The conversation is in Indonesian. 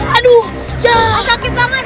aduh sakit banget